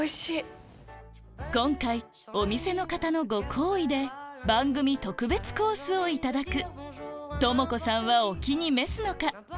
今回お店の方のご厚意で番組特別コースをいただく智子さんはお気に召すのか？